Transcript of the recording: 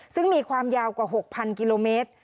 ซึ่งมีความยาวกว่า๖๐๐กิโลเมตร